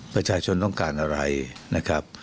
ประชาชนต้องการอะไรนะครับ